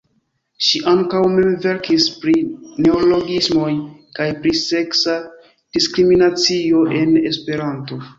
Ŝi ankaŭ mem verkis pri "neologismoj" kaj pri "seksa diskriminacio" en Esperanto.